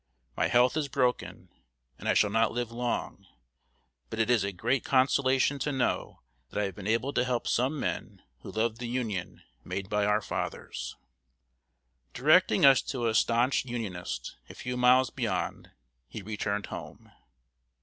My health is broken, and I shall not live long; but it is a great consolation to know that I have been able to help some men who love the Union made by our fathers." Directing us to a stanch Unionist, a few miles beyond, he returned home.